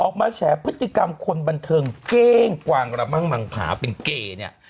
ออกมาแฉอพฤติกรรมคนบันเทิงเก้งกว่างละบังบังขาวเป็นเกย์เนี่ย